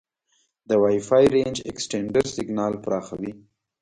د وای فای رینج اکسټینډر سیګنال پراخوي.